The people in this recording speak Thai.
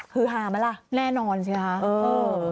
คือหามั้นล่ะแน่นอนใช่ไหมคะเออเออ